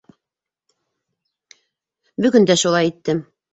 Бөгөн дә шулай иттем.